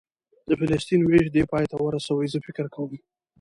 د فلسطین وېش دې پای ته ورسوي، زه فکر کوم.